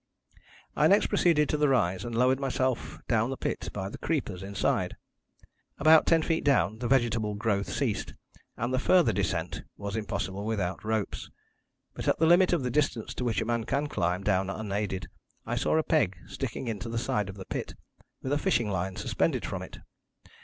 "I next proceeded to the rise and lowered myself down the pit by the creepers inside. About ten feet down the vegetable growth ceased, and the further descent was impossible without ropes. But at the limit of the distance to which a man can climb down unaided, I saw a peg sticking into the side of the pit, with a fishing line suspended from it.